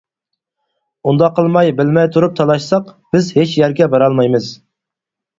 ئۇنداق قىلماي، بىلمەي تۇرۇپ تالاشساق، بىز ھېچ يەرگە بارالمايمىز.